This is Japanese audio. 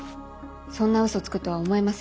そんなうそつくとは思えません。